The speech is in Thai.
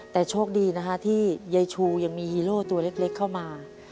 แต่โชคดีนะคะที่ยายชูยังมีฮีโร่ตัวเล็กเข้ามา